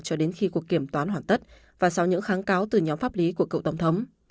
cho đến khi cuộc kiểm toán hoàn tất và sau những kháng cáo từ nhóm pháp lý của cựu tổng thống